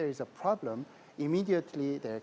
langsung bisa diberi